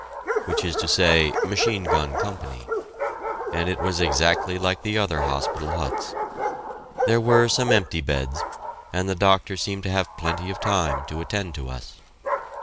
K.," which is to say Machine Gun Company, and it was exactly like the other hospital huts. There were some empty beds, and the doctor seemed to have plenty of time to attend to us.